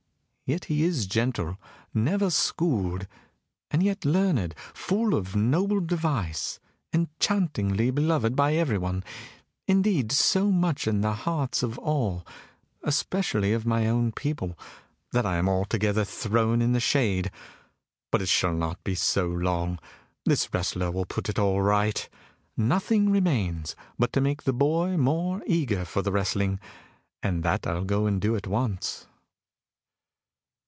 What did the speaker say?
Yet he is gentle; never schooled, and yet learned; full of noble device; enchantingly beloved by everyone indeed, so much in the hearts of all, especially of my own people, that I am altogether thrown in the shade. But it shall not be so long; this wrestler will put all right. Nothing remains but to make the boy more eager for the wrestling, and that I'll go and do at once."